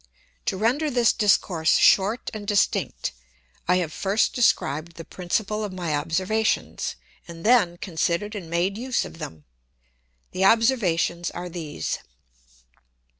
To render this Discourse short and distinct, I have first described the principal of my Observations, and then consider'd and made use of them. The Observations are these.